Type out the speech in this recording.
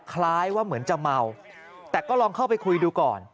คล้ายว่าเหมือนจะเมาแต่ก็ลองเข้าไปคุยดูก่อน